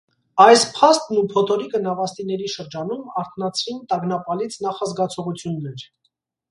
Այս փաստն ու փոթորիկը նավաստիների շրջանում արթնացրին տագնապալից նախազգացողություններ։